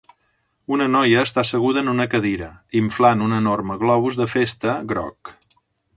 Una noia està asseguda en una cadira inflant un enorme globus de festa groc.